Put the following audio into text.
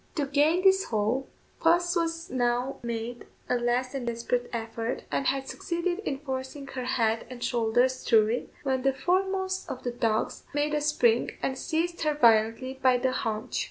To gain this hole, puss now made a last and desperate effort, and had succeeded in forcing her head and shoulders through it, when the foremost of the dogs made a spring and seized her violently by the haunch.